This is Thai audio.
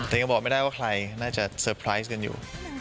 แต่ยังบอกไม่ได้ว่าใครน่าจะเตอร์ไพรส์กันอยู่